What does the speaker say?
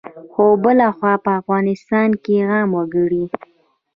خو بلخوا په افغانستان کې عام وګړي